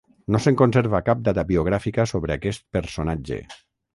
No se'n conserva cap dada biogràfica sobre aquest personatge.